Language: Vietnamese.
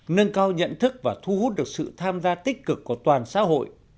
nâng cao nhận thức và thu hút được sự tham gia tích cực của toàn xã hội